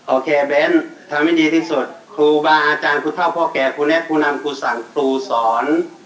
โอเคแบงค์ทำให้ดีที่สุดครูบาอาจารย์ผู้เท่าพ่อแก่ครูและผู้นำครูสั่งครูสอน